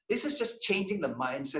ini hanya mengubah pikiran